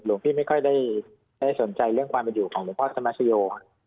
หลวงพี่ไม่ค่อยได้สนใจเรื่องความเป็นอยู่ของหลวงพ่อธรรมชโย